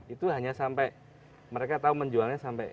itu hanya sampai mereka tahu menjualnya sampai